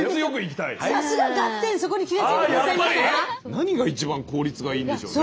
何が一番効率がいいんでしょうね？